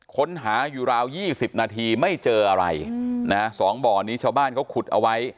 ค้นหาอยู่ราว๒๐นาทีไม่เจออะไรนะฮะ๒บ่อนี้ชาวบ้านเขาขุดเอาไว้